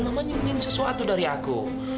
mama nyuruhin sesuatu